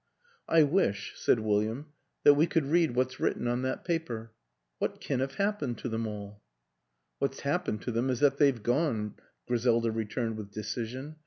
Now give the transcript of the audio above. " I wish," said William, " that we could read what's written on that paper. What can have happened to them all? "" What's happened to them is that they've gone," Griselda returned with decision.